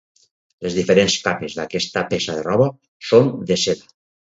Les diferents capes d'aquesta peça de roba són de seda.